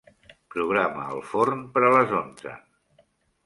Programa el forn per a les onze.